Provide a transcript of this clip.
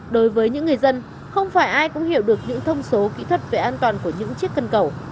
đối với những người dân không phải ai cũng hiểu được những thông số kỹ thuật về an toàn của những chiếc cân cầu